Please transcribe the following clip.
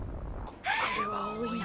ここれは多いな